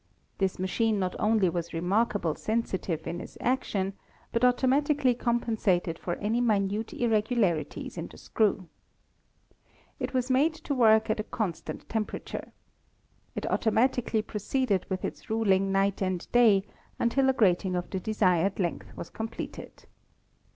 This machine not only was remarkably RISE OF ASTROPHYSICS 33 sensitive in its action, but automatically compensated for any minute irregularities in the screw. It was made to work at a constant temperature. It automatically pro ceeded with its ruling night and day until a grating of the desired length was completed.